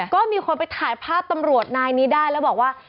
ก็มีคนไปถ่ายภาพตำรวจนายนี้ได้แล้วบอกว่า